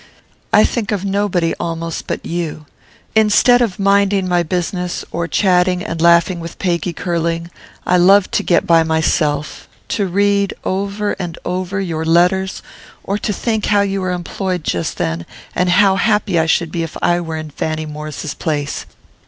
I think of nobody almost but you. Instead of minding my business, or chatting and laughing with Peggy Curling, I love to get by myself, to read, over and over, your letters, or to think how you are employed just then, and how happy I should be if I were in Fanny Maurice's place.